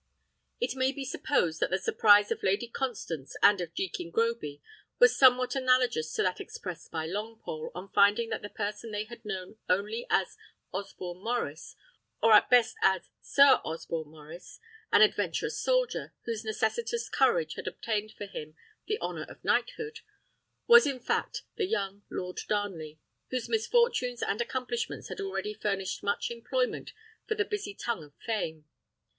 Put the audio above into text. It may be supposed that the surprise of Lady Constance and of Jekin Groby was somewhat analogous to that expressed by Longpole on finding that the person they had known only as Osborne Maurice, or at best as Sir Osborne Maurice, an adventurous soldier, whose necessitous courage had obtained for him the honour of knighthood, was in fact the young Lord Darnley, whose misfortunes and accomplishments had already furnished much employment for the busy tongue of fame.